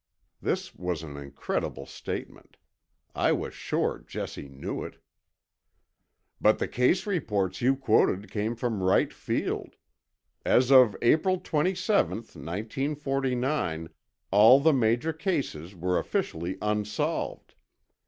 This was an incredible statement. I was sure Jesse knew it. "But the case reports you quoted came from Wright Field. As of April twenty seventh, 1949, all the major cases were officially unsolved.